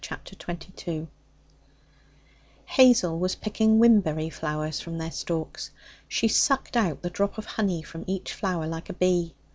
Chapter 22 Hazel was picking wimberry flowers from their stalks. She sucked out the drop of honey from each flower like a bee.